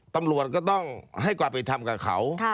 ตำรวจก็ต้องให้กว่าไปทำกับเขา